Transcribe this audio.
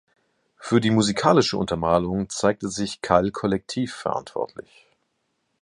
Für die musikalische Untermalung zeigte sich Kall Kollektiv verantwortlich.